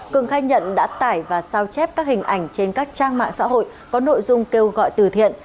cường khai nhận đã tải và sao chép các hình ảnh trên các trang mạng xã hội có nội dung kêu gọi từ thiện